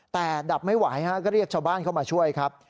แต่ดับไม่ไหวฮะก็เรียกชาวบ้านเข้ามาช่วยครับ